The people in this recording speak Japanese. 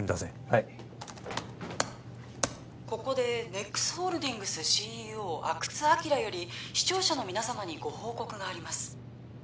はいここでＮＥＸホールディングスＣＥＯ阿久津晃より視聴者の皆様にご報告があります